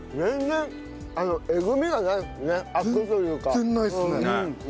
全然ないですね。